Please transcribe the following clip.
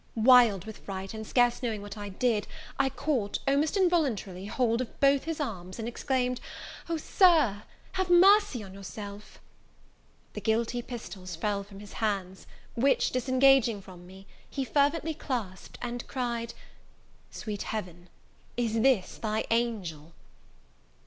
Wild with fright, and scarce knowing what I did, I caught, almost involuntarily, hold of both his arms, and exclaimed, "O, Sir! have mercy on yourself!" The guilty pistols fell from his hands, which, disengaging from me, he fervently clasped, and cried, "Sweet Heaven! is this thy angel?"